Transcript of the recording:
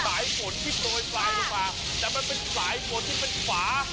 สายฝนที่โปรยปลายลงมาแต่มันเป็นสายฝนที่เป็นขวา